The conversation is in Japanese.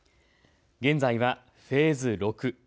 現在はフェーズ６。